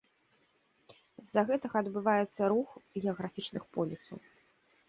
З-за гэтага адбываецца рух геаграфічных полюсаў.